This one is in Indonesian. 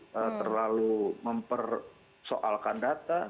terlalu mempersoalkan data